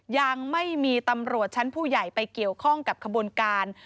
ยังไม่มีตำรวจชั้นผู้ใหญ่ไปเกี่ยวข้องกับขบวนการ